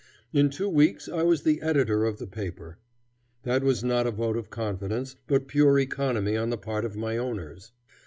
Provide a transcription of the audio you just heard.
In two weeks I was the editor of the paper. That was not a vote of confidence, but pure economy on the part of my owners.